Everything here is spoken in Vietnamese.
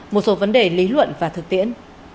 một số vấn đề lý luận và thực tiễn